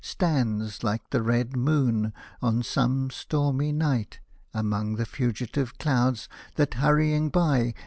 Stands, like the red moon, on some stormy night. Among the fugitive clouds that, hurrying by.